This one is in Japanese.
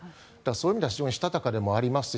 そういう意味では非常にしたたかでもありますし